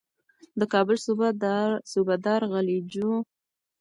د کابل صوبه دار غلجیو ته په میدان کې ماتې نه شوه ورکولای.